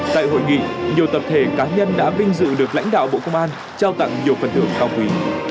tại hội nghị nhiều tập thể cá nhân đã vinh dự được lãnh đạo bộ công an trao tặng nhiều phần thưởng cao quý